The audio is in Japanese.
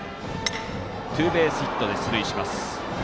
ツーベースヒットで出塁します。